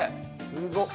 すごっ！